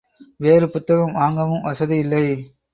வேறு புத்தகம் வாங்கவும் வசதி இல்லை.